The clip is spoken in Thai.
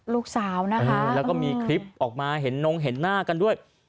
ลูกสาวนะคะแล้วก็มีคลิปออกมาเห็นนงเห็นหน้ากันด้วย